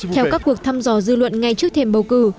theo các cuộc thăm dò dư luận ngay trước thềm bầu cử